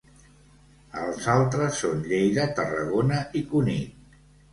Els altres són Lleida, Tarragona i Cunit.